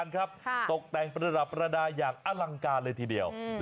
ขบวนแห่